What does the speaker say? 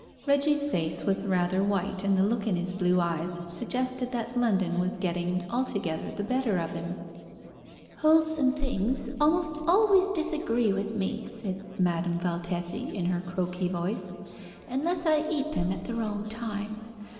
Reggie's face was rather white, and the look in his blue eyes suggested that London was getting altogether the better of him. "Wholesome things almost always disagree with me," said Madame Valtesi, in her croaky voice, "unless I eat them at the wrong time.